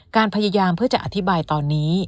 การพยายามเพื่อจะอธิบายตอนนี้